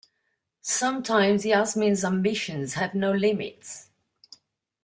Sometimes Yasmin's ambitions have no limits.